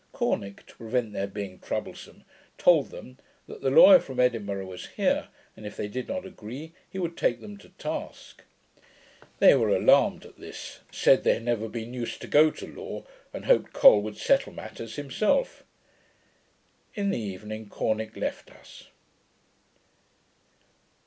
Corneck, to prevent their being troublesome, told them, that the lawyer from Edinburgh was here, and if they did not agree, he would take them to task. They were alarmed at this; said, they had never been used to go to law, and hoped Col would settle matters himself. In the evening Corneck left us.